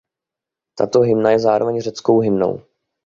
Tato hymna je zároveň řeckou hymnou.